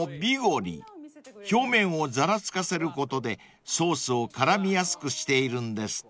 ［表面をざらつかせることでソースを絡みやすくしているんですって］